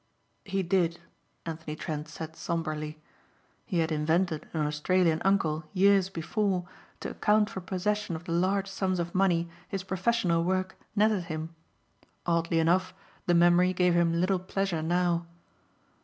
"He did," Anthony Trent said sombrely. He had invented an Australian uncle years before to account for possession of the large sums of money his professional work netted him. Oddly enough the memory gave him little pleasure now.